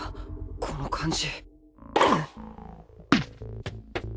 この感じ